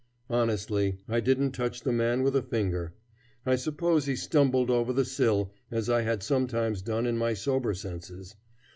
Honestly, I didn't touch the man with a finger. I suppose he stumbled over the sill, as I had sometimes done in my sober senses.